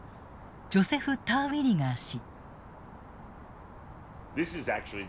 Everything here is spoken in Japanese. ジョセフ・ターウィリガー氏。